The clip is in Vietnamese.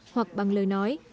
hoặc bằng lời nói